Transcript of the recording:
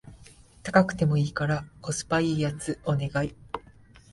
高くてもいいからコスパ良いやつお願い